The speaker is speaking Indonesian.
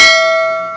dia terlalu berbahaya